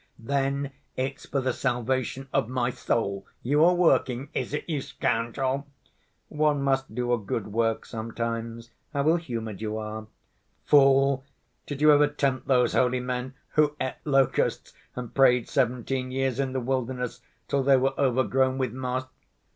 "Then it's for the salvation of my soul you are working, is it, you scoundrel?" "One must do a good work sometimes. How ill‐humored you are!" "Fool! did you ever tempt those holy men who ate locusts and prayed seventeen years in the wilderness till they were overgrown with moss?"